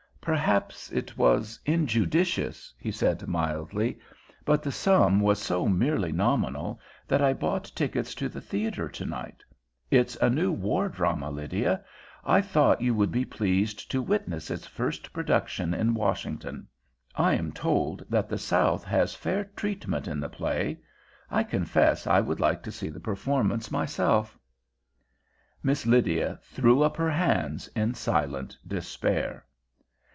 "Perhaps it was injudicious," he said mildly, "but the sum was so merely nominal that I bought tickets to the theater to night. It's a new war drama, Lydia. I thought you would be pleased to witness its first production in Washington. I am told that the South has very fair treatment in the play. I confess I should like to see the performance myself." Miss Lydia threw up her hands in silent despair.